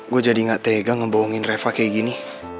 gue jadi gak tega ngebohongin reva kayak gini